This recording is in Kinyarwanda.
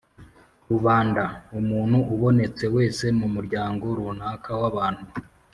rubanda: umuntu ubonetse wese mu muryango runaka w’abantu